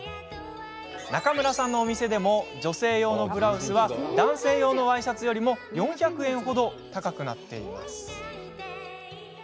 中村さんのお店でも女性用のブラウスは男性用のワイシャツよりも４００円ほど高くなっています。